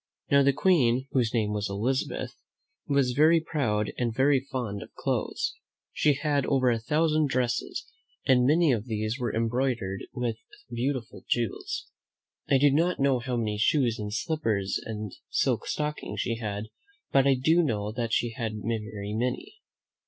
Now the Queen, whose name was Elizabeth, was very proud and very fond of clothes. She had over a thousand dresses, and many of these M (0} ISS 93 THE MEN WHO FOUND AMERICA s^* ■;*•':•^ md were embroidered with beautiful jewels. I do not know how many shoes and slippers and silk stockings she had, but I do know that she had very many.